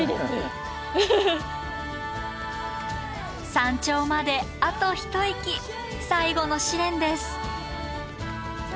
山頂まであと一息最後の試練です。